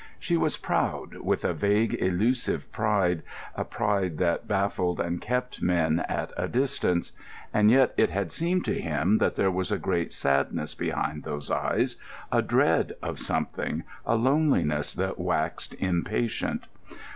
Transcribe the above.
She was proud, with a vague, elusive pride, a pride that baffled and kept men at a distance. And yet it had seemed to him that there was a great sadness behind those eyes, a dread of something, a loneliness that waxed impatient.